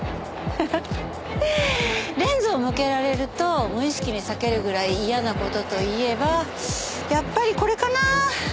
フフッレンズを向けられると無意識に避けるぐらい嫌な事といえばやっぱりこれかな。